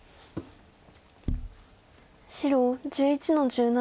白１１の十七。